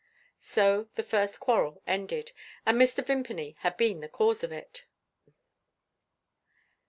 So the first quarrel ended and Mr. Vimpany had been the cause of it.